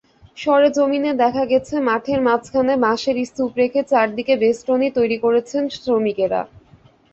সরেজমিনে দেখা গেছে, মাঠের মাঝখানে বাঁশের স্তূপ রেখে চারদিকে বেষ্টনী তৈরি করছেন শ্রমিকেরা।